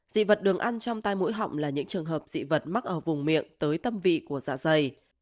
dị vật đường ăn trong tay mũi họng là những trường hợp dị vật mắc ở vùng miệng tới tâm vị của dạ dày